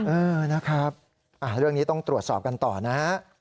เออนะครับเรื่องนี้ต้องตรวจสอบกันต่อนะฮะ